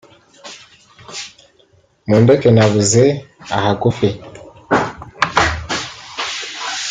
”mundeke nabuze ahagufi